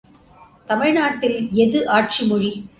தமிழ் நாட்டில் எது ஆட்சி மொழி?